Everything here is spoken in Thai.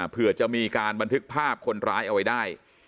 เพื่อจะมีการบันทึกภาพคนร้ายเอาไว้ได้